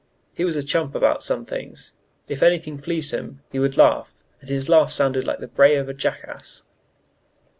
He was a chump about some things: if anything pleased him, he would laugh, and his laugh sounded like the bray of a jackass.